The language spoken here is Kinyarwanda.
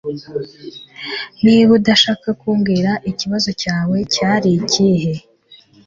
Niba udashaka kumbwira ikibazo cyawe cyari ikihe